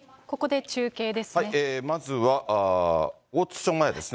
まずは大津署前ですね。